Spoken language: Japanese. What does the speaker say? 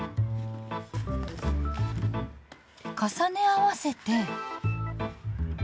重ね合わせて。